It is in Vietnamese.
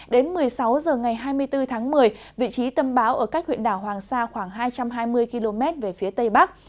đến một mươi sáu h ngày hai mươi bốn tháng một mươi vị trí tâm bão ở cách huyện đảo hoàng sa khoảng hai trăm hai mươi km về phía tây bắc